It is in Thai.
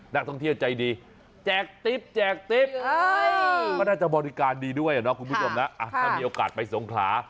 นักท่องเที่ยวใจดีแจกติ๊บมันน่าจะบริการดีด้วยนะครับคุณผู้ชมนะถ้ามีโอกาสไปสงขา